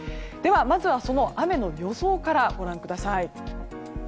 まずはその雨の予想からご覧ください。